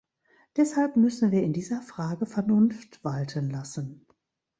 Deshalb müssen wir in dieser Frage Vernunft walten lassen.